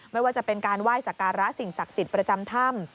ไม่ว่าจะเป็นการไหว้สักการะสิ่งศักดิ์สิทธิ์ประจำถ้ำ